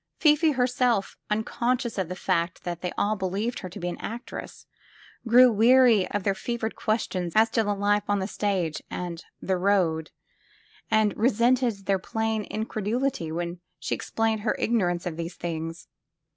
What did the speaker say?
Fifi herself, unconscious of the fact that they all believed her to be an actress, grew weary of their fevered questions as to life on the stage and the road," and resented their plain incredulity when she explained her ignorance of these things.